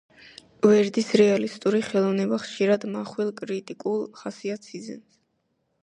ვერდის რეალისტური ხელოვნება ხშირად მახვილ, კრიტიკულ ხასიათს იძენს.